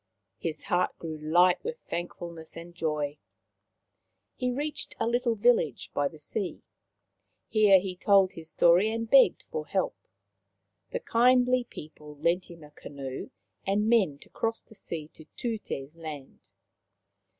His heart grew light with thankfulness and joy. He reached a little village by the sea. Here he told his story and begged for help. The kindly people lent him a canoe and men to cross the sea to Tute's land.